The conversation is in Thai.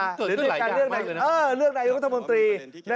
หรือการเลือกในยุคธรรมดี